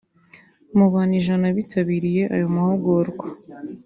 Mu bantu ijana bitabiriye ayo mahugurwa